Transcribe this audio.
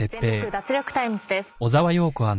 脱力タイムズ』です。